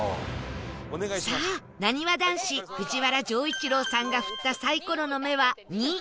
さあなにわ男子藤原丈一郎さんが振ったサイコロの目は「２」